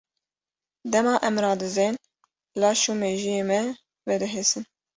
Dema em radizên laş û mejiyê me vedihesin.